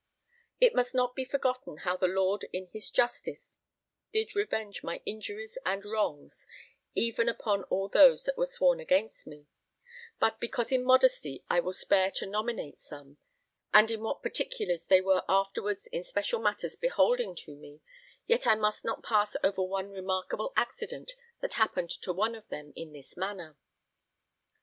It must not be forgotten how the Lord in his justice did revenge my injuries and wrongs even upon all those that were sworn against me; but because in modesty I will spare to nominate some, and in what particulars they were afterwards in special matters beholding to me, yet I must not pass over one remarkable accident that happened to one of them in this manner.